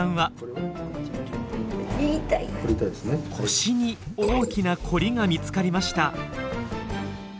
腰に大きなコリが見つかりました。